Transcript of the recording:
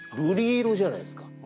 瑠璃色じゃないですか。